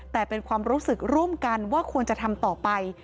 แต่เป็นความรู้สึกร่วมกันว่าควรจะทำต่อไป